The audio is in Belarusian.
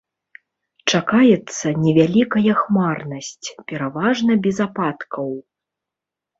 Чакаецца невялікая хмарнасць, пераважна без ападкаў.